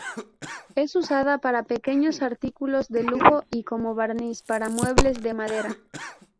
Es usada para pequeños artículos de lujo y como barniz para muebles de madera.